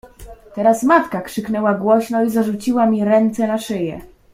"Teraz matka krzyknęła głośno i zarzuciła mi ręce na szyję."